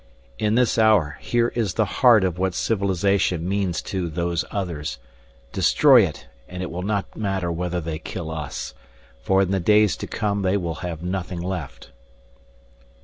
"In this hour, here is the heart of what civilization remains to Those Others. Destroy it, and it will not matter whether they kill us. For in the days to come they will have nothing left."